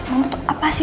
untuk apa sih